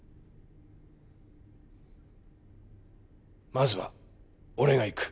まずは俺が行く。